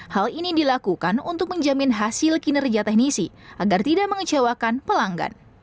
hal ini dilakukan untuk menjamin hasil kinerja teknisi agar tidak mengecewakan pelanggan